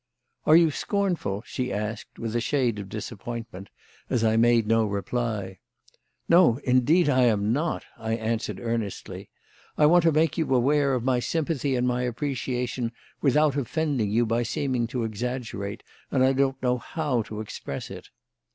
"Are you scornful?" she asked, with a shade of disappointment, as I made no reply. "No, indeed I am not," I answered earnestly. "I want to make you aware of my sympathy and my appreciation without offending you by seeming to exaggerate, and I don't know how to express it."